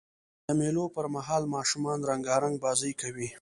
د مېلو پر مهال ماشومان رنګارنګ بازۍ کوي.